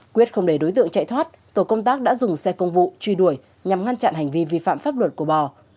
quyết không để đối tượng chạy thoát tổ công tác đã dùng xe công vụ truy đuổi nhằm ngăn chặn hành vi vi phạm pháp luật của bò